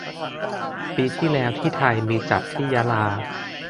ปีที่แล้วที่ไทยมีจัดที่ยะลา